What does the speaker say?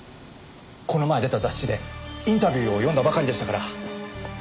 この前出た雑誌でインタビューを読んだばかりでしたから。